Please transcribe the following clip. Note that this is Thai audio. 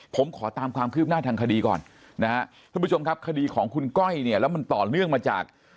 ผมขอตามความคืบหน้าทางคดีก่อนนะฮะท่านผู้ชมครับคดีของคุณก้อยเนี่ยแล้วมันต่อเนื่องมาจาก